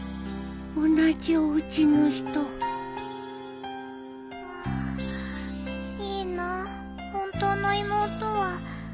同じおうちの人いいな本当の妹は。